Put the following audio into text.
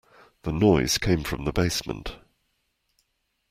The noise came from the basement.